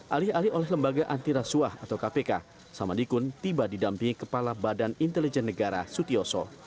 alih alih oleh lembaga antirasuah atau kpk samadikun tiba didampingi kepala badan intelijen negara sutioso